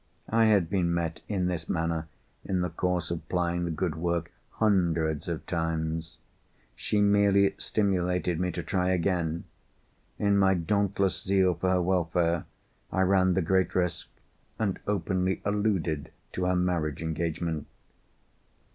I had been met in this manner, in the course of plying the good work, hundreds of times. She merely stimulated me to try again. In my dauntless zeal for her welfare, I ran the great risk, and openly alluded to her marriage engagement.